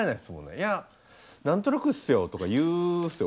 「いや何となくっすよ」とか言うんすよ